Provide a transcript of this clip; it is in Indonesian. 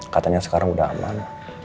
katanya sekarang udah aman